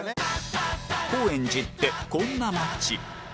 高円寺ってこんな街